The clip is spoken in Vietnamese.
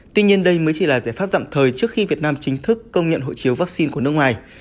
tuy nhiên đây mới chỉ là giải pháp tạm thời trước khi việt nam chính thức công nhận hộ chiếu vaccine của nước ngoài